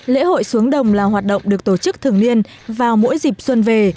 lễ hội xuống đồng là hoạt động được tổ chức thường niên vào mỗi dịp xuân về